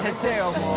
もう。